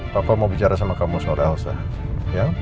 papa mau bicara sama kamu seolah olah elsa